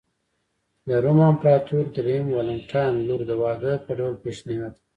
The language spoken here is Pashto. د روم امپراتور درېیم والنټیناین لور د واده په ډول پېشنهاد کړه